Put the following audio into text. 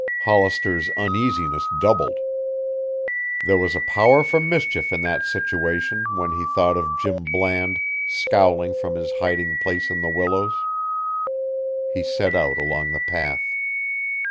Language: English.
Hollister's uneasiness doubled. There was a power for mischief in that situation when he thought of Jim Bland scowling from his hiding place in the willows. He set out along the path.